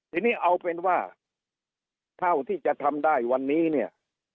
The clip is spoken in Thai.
ทีนี้เอาเป็นว่าเท่าที่จะทำได้วันนี้เนี่ย